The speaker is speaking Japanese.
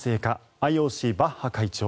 ＩＯＣ、バッハ会長。